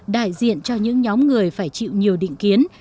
đại diện cho những nhóm người phải chịu nhiều định kiến